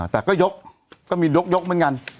แต่ก็ยกก็มียกเหมือนกัน